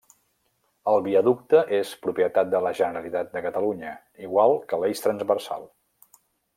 El viaducte és propietat de la Generalitat de Catalunya, igual que l'eix Transversal.